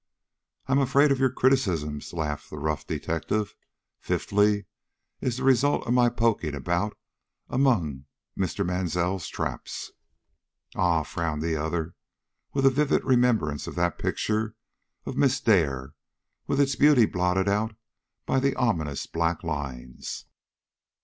"I am afraid of your criticisms," laughed the rough detective. "Fifthly is the result of my poking about among Mr. Mansell's traps." "Ah!" frowned the other, with a vivid remembrance of that picture of Miss Dare, with its beauty blotted out by the ominous black lines.